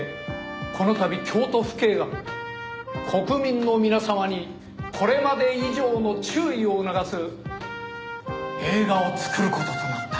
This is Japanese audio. この度京都府警が国民の皆様にこれまで以上の注意を促す映画を作る事となった。